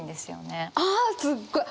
あすっごい！